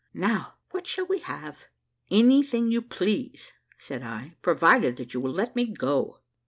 "Now what shall we have?" "Anything you please," said I, "provided that you will let me go."